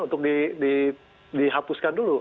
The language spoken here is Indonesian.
untuk dihapuskan dulu